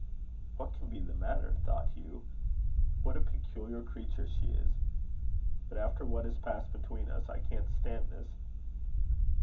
"What can be the matter?" thought Hugh. "What a peculiar creature she is! But after what has passed between us, I can't stand this."